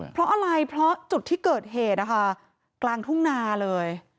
เพราะอะไรเพราะจุดที่เกิดเหตุนะคะกลางทุ่งนาเลย